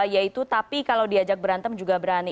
yaitu tapi kalau diajak berantem juga berani